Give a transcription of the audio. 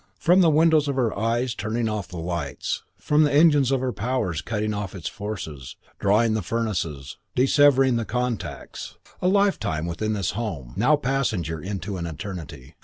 From the windows of her eyes turning off the lights; from the engines of her powers cutting off its forces; drawing the furnaces; dissevering the contacts. A lifetime within this home; now passenger into an eternity.